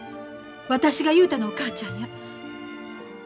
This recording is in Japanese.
私が雄太のお母ちゃんや。